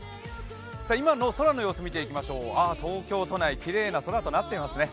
今の空の様子見ていきましょう東京都内、きれいな空となっていますね。